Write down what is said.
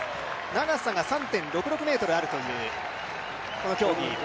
長さが３．６６ｍあるというこの競技。